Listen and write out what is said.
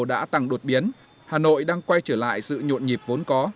đã tăng đột biến hà nội đang quay trở lại sự nhộn nhịp vốn có